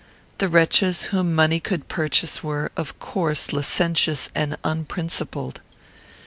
The wretches whom money could purchase were, of course, licentious and unprincipled.